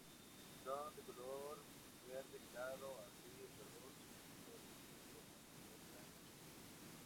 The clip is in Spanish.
Son de color verde claro a gris-verdoso con brotes que suelen aparecer blanquecinos.